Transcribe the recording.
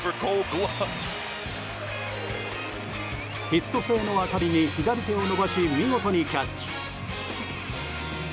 ヒット性の当たりに左手を伸ばし見事にキャッチ。